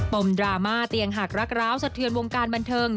ดราม่าเตียงหักรักร้าวสะเทือนวงการบันเทิง